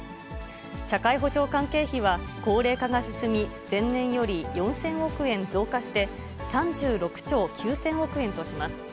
社会保障関係費は、高齢化が進み、前年より４０００億円増加して、３６兆９０００億円とします。